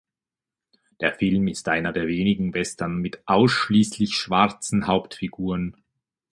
Der Film ist einer der wenigen Western mit ausschließlich schwarzen Hauptfiguren.